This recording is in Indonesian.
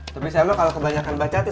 tapi saya mau kalau kebanyakan bacaan